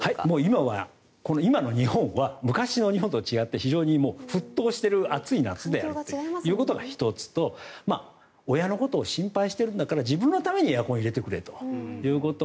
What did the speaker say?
今は、今の日本は昔の日本とは違って非常に沸騰している暑い夏であるということが１つと親のことを心配しているんだから自分のためにエアコンを入れてくれということ。